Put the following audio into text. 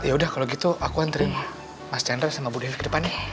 yaudah kalau gitu aku anterin mas chandler sama budena ke depannya